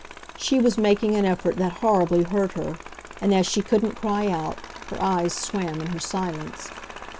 She was making an effort that horribly hurt her, and, as she couldn't cry out, her eyes swam in her silence.